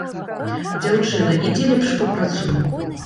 Дзяўчына, ідзі лепш папрацуй.